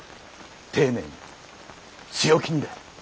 丁寧に強気にだ。